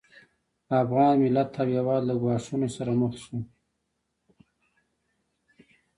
افغان ملت او هېواد له ګواښونو سره مخ شو